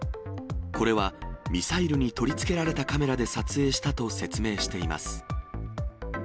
これは、ミサイルに取り付けられたカメラで撮影したと説明しています。